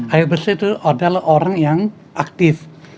air bersih itu adalah orang yang aktif